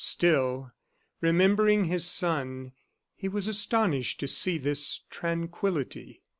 Still, remembering his son, he was astonished to see this tranquillity.